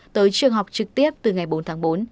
tới trường học trực tiếp từ ngày bốn tháng bốn